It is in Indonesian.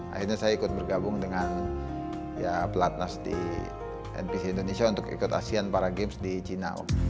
akhirnya saya ikut bergabung dengan platnas di npc indonesia untuk ikut asean para games di china